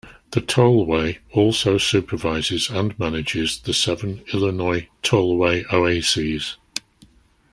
The Tollway also supervises and manages the seven Illinois Tollway oases.